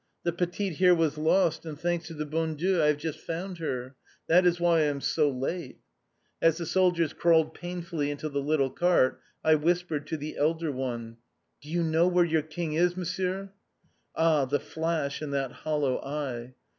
The petite here was lost, and thanks to the Bon Dieu I have just found her. That is why I am so late." As the soldiers crawled painfully into the little cart, I whispered to the elder one: "Do you know where your King is, Monsieur?" Ah, the flash in that hollow eye!